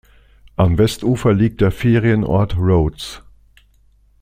Am Westufer liegt der Ferienort Rhodes.